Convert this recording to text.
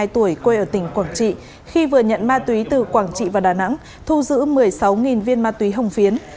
hai mươi tuổi quê ở tỉnh quảng trị khi vừa nhận ma túy từ quảng trị và đà nẵng thu giữ một mươi sáu viên ma túy hồng phiến